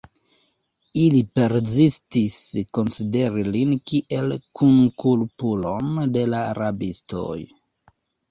Ili persistis konsideri lin kiel kunkulpulon de la rabistoj.